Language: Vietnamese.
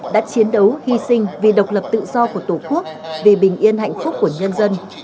đã chiến đấu hy sinh vì độc lập tự do của tổ quốc vì bình yên hạnh phúc của nhân dân